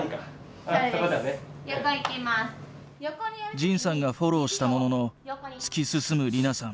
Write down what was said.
仁さんがフォローしたものの突き進む莉菜さん。